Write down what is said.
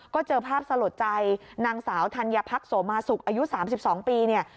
ก็เจอภาพสลดใจนางสาวธัญพักโสมาสุกอายุ๓๒ปีเนี่ย